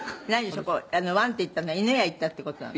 そこ“ワン！”って言ったのは犬が行ったっていう事なの？」